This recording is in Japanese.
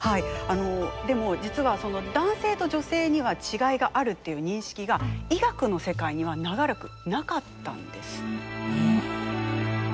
でも実は男性と女性には違いがあるという認識が医学の世界には長らくなかったんです。